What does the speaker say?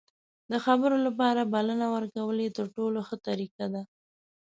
د خبرو لپاره بلنه ورکول یې تر ټولو ښه طریقه ده.